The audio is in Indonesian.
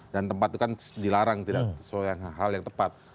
dan tempat itu kan dilarang tidak soal hal yang tepat